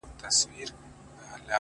ولاړ انسان به وي ولاړ تر اخریته پوري ـ